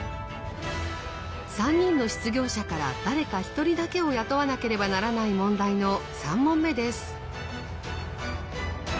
３人の失業者から誰か１人だけを雇わなければならない問題の３問目です。